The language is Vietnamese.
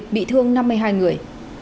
bị thương năm mươi hai người